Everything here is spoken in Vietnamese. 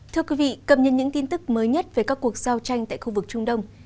thưa quý vị cập nhật những tin tức mới nhất về các cuộc giao tranh tại khu vực trung đông